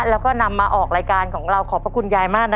แล้วก็นำมาออกรายการของเราขอบพระคุณยายมากนะ